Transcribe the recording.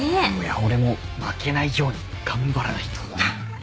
俺も負けないように頑張らないと。